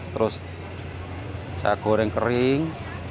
terus saya goreng kering